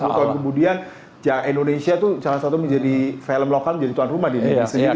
sepuluh tahun kemudian indonesia tuh salah satu menjadi film lokal menjadi tuan rumah di indonesia